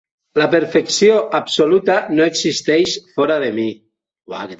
La perfecció absoluta no existeix fora de mi.